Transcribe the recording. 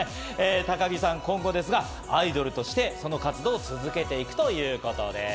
高城さんは今後アイドルとして活動を続けていくということです。